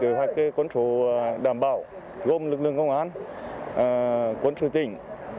kế hoạch thực hiện kế hoạch cuốn sổ đảm bảo gồm lực lượng công an cuốn sổ tỉnh